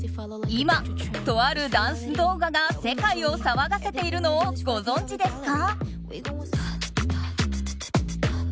今、とあるダンス動画が世界を騒がせているのをご存じですか？